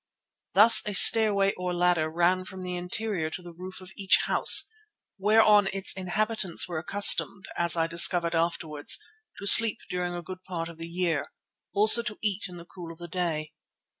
Thus a stairway or ladder ran from the interior to the roof of each house, whereon its inhabitants were accustomed, as I discovered afterwards, to sleep during a good part of the year, also to eat in the cool of the day.